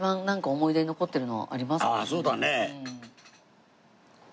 ああそうだね。